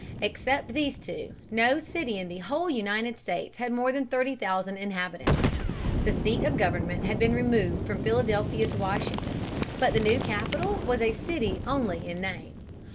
Except these two, no city in the whole United States had more than thirty thousand inhabitants. The seat of government had been removed from Philadelphia to Washington. But the new capital was a city only in name.